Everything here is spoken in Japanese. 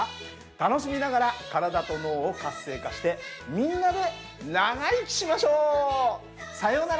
楽しみながら体と脳を活性化してみんなで長生きしましょう！さようなら。